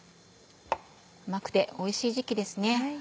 甘くておいしい時期ですね。